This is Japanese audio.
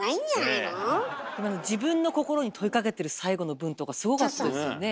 あの自分の心に問いかけてる最後の文とかすごかったですよね。